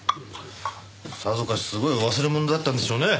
さぞかしすごい忘れ物だったんでしょうね。